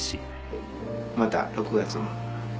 また６月に。